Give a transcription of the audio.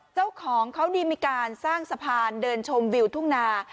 เจ้าของเขานี่มีการสร้างสะพานเดินชมวิวทุ่งนา